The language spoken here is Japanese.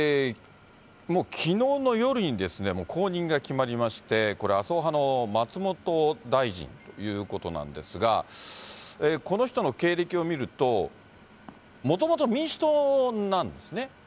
もうきのうの夜に後任が決まりまして、これ、麻生派の松本大臣ということなんですが、この人の経歴を見ると、もともと民主党なんですね。